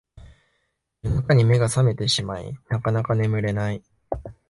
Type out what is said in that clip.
夜中に目が覚めてしまいなかなか眠れない